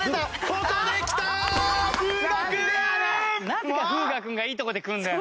なぜか風雅君がいいところで来るんだよ。